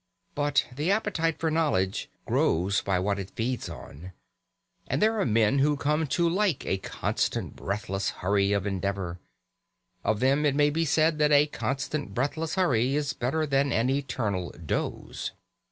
But the appetite for knowledge grows by what it feeds on, and there are men who come to like a constant breathless hurry of endeavour. Of them it may be said that a constant breathless hurry is better than an eternal doze.